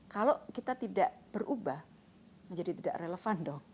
kalau kita tidak berubah menjadi tidak relevan dong